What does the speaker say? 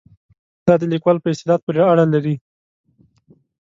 دا د لیکوال په استعداد پورې اړه لري.